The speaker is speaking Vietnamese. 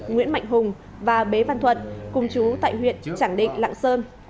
nguyễn mạnh hùng và bế văn thuận cùng chú tại huyện trảng định lạng sơn